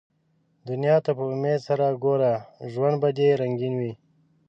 دنیا ته په امېد سره ګوره ، ژوند به دي رنګین وي